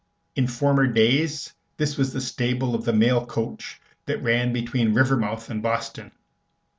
In former days this was the stable of the mail coach that ran between Rivermouth and Boston.